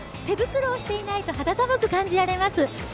手袋をしていないと肌寒く感じられます。